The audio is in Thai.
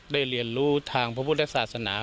เรียนรู้ทางพระพุทธศาสนา